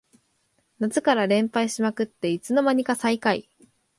夏から連敗しまくっていつの間にか最下位